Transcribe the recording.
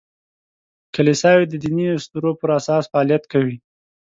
کلیساوې د دیني اسطورو پر اساس فعالیت کوي.